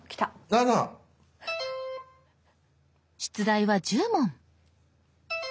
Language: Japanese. ７！出題は１０問。